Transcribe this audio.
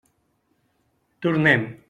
Tornem.